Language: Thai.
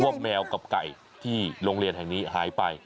แมวกับไก่ที่โรงเรียนแห่งนี้หายไป